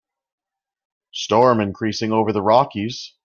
Storm increasing over the Rockies.